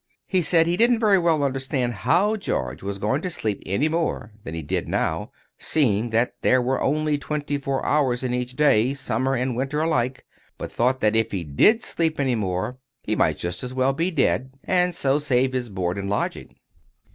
He said he didn't very well understand how George was going to sleep any more than he did now, seeing that there were only twenty four hours in each day, summer and winter alike; but thought that if he did sleep any more, he might just as well be dead, and so save his board and lodging.